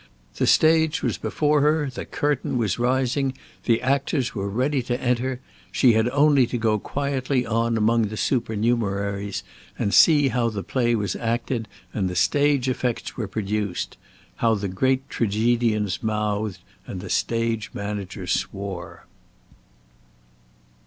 The stage was before her, the curtain was rising, the actors were ready to enter; she had only to go quietly on among the supernumeraries and see how the play was acted and the stage effects were produced; how the great tragedians mouthed, and the stage manager swore.